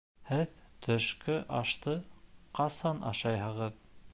Һеҙ төшкө ашты ҡасан ашайһығыҙ?